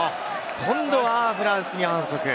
今度はフランスに反則。